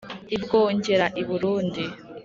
i bwongera: i burundi